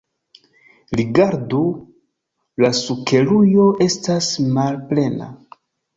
Rigardu, la sukerujo estas malplena.